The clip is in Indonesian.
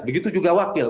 begitu juga wakil